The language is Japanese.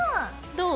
どう？